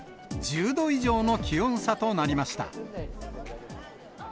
１０度以上の気温差となりました。